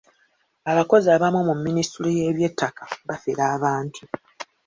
Abakozi abamu mu minisitule y’eby'ettaka bafera abantu.